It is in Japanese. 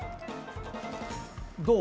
どう？